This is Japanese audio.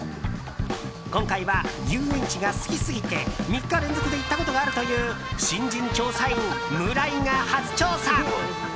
今回は遊園地が好きすぎて３日連続で行ったことがあるという新人調査員、ムライが初調査。